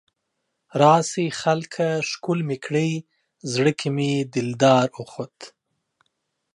راشئ خلکه ښکل مې کړئ، زړه کې مې دلدار اوخوت